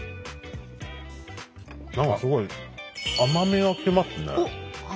何かすごい甘みが来ますね。